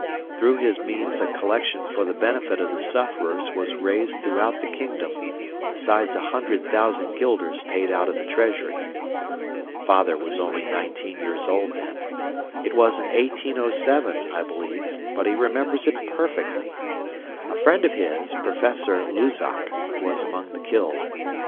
Through his means a collection for the benefit of the sufferers was raised throughout the kingdom, besides a hundred thousand guilders paid out of the treasury. Father was only nineteen years old then. It was in 1807, I believe, but he remembers it perfectly. A friend of his, Professor Luzac, was among the killed.